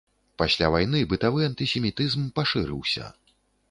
Пасля вайны бытавы антысемітызм пашырыўся.